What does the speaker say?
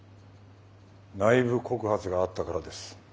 内部告発があったからです。